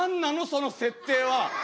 その設定は。